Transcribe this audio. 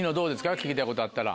聞きたいことあったら。